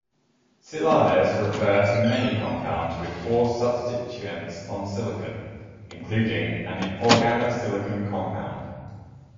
Silanes refer to many compounds with four substituents on silicon, including an organosilicon compound.